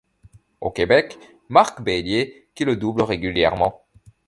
Au Québec, Marc Bellier qui le double régulièrement.